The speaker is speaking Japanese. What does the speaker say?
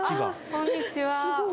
こんにちはえっ